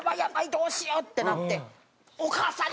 どうしようってなって。